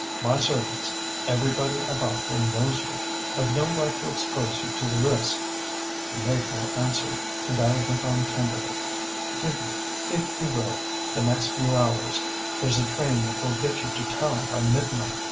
My servants everybody about here knows you. I've no right to expose you to the risk.' She made no answer, and I went on tenderly: 'Give me, if you will, the next few hours: there's a train that will get you to town by midnight.